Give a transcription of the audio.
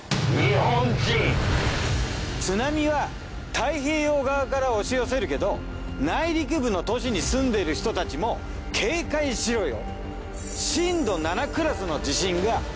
津波は太平洋側から押し寄せるけど内陸部の都市に住んでいる人たちも警戒しろよ！